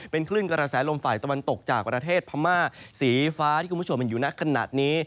เป็นคลื่นกระแสลมฝ่ายตะวันตกจากประเทศพม่าสีฟ้าที่คุณผู้ชมเห็นอยู่ในขณะนี้